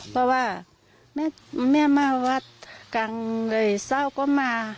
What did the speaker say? เพราะว่าแม่มาวัดกลางเลยเศร้าก็มา